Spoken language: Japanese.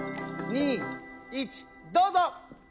３２１どうぞ。